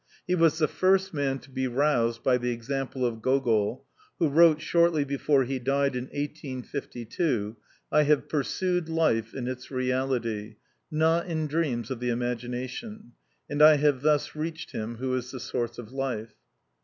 He was the first man to be roused by the example of Gogol, who wrote, shortly before he died in 1852 : "I have pursued life in its reality, not in dreams of the imagination, and I have thus reached Him who is the source of life."